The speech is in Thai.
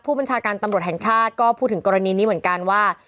บัญชาการตำรวจแห่งชาติก็พูดถึงกรณีนี้เหมือนกันว่า